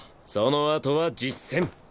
そのあとは実戦。